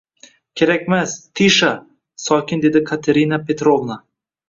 Kerakmas, Tisha! – sokin dedi Katerina Petrovna.